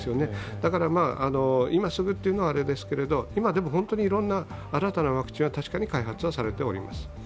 だから、今すぐっていうのはあれですけどでもいろんな新たなワクチンは開発はされています。